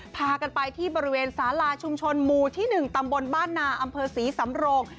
พากันไปที่บริเวณสาลาชุมชนหมู่ที่๑ตำบลบ้านนาอำเภอศรีสำโรง